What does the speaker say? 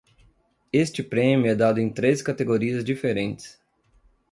Este prêmio é dado em três categorias diferentes.